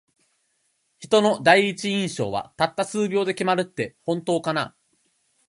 人の第一印象は、たった数秒で決まるって本当かな。